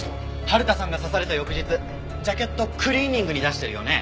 春田さんが刺された翌日ジャケットをクリーニングに出してるよね。